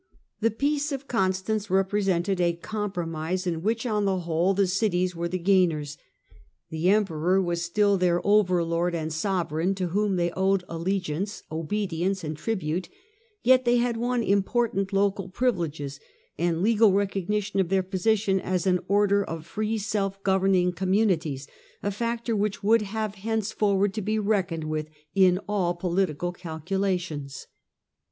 The Peace of Constance represented a compromise in which, on the whole, the cities were the gainers. The Emperor was still their overlord and sovereign, to whom they owed allegiance, obedience and tribute, yet they had won important local privileges and legal recognition of their position as an order of free self governing communities, a factor which would have henceforward to be reckoned with in all political calculations.